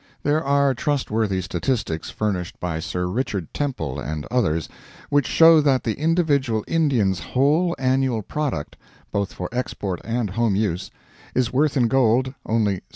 There are trustworthy statistics furnished by Sir Richard Temple and others, which show that the individual Indian's whole annual product, both for export and home use, is worth in gold only $7.